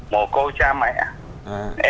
một cô cha mẹ